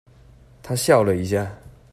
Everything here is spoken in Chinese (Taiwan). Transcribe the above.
她笑了一下